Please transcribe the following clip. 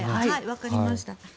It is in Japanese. わかりました。